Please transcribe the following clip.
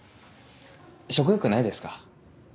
食欲ないですか？